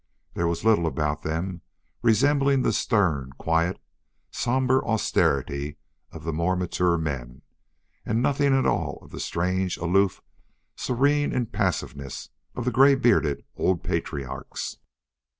There was little about them resembling the stern, quiet, somber austerity of the more matured men, and nothing at all of the strange, aloof, serene impassiveness of the gray bearded old patriarchs.